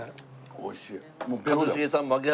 おいしい。